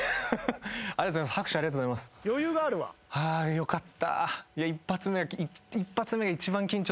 よかった。